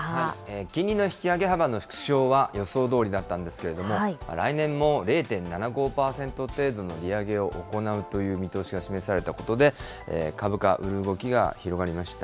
金利の引き上げ幅の縮小は、予想どおりだったんですけれども、来年も０．７５％程度の利上げを行うという見通しが示されたことで、株価、売る動きが広がりました。